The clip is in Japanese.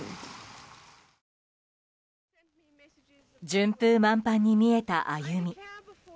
順風満帆に見えた歩み。